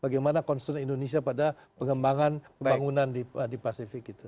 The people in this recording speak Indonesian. bagaimana concern indonesia pada pengembangan pembangunan di pasifik itu